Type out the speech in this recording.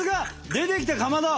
出てきたかまど！